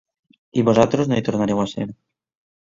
I vosaltres no hi tornareu a ser.